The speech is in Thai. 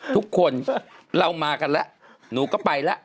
ทุกคนเรามากันแล้วหนูก็ไปแล้ว